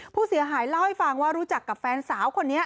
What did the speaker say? ผู้เสียหายเล่าให้ฟังว่ารู้จักกับแฟนสาวคนนี้